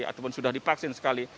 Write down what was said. ataupun sudah dipaksin sekali